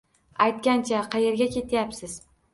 -Aytgancha, qayerga ketyapsiz?